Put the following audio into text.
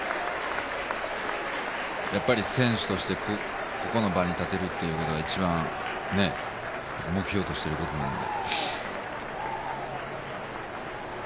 やっぱり選手として、ここの場に立てるということが一番目標としていることなんで。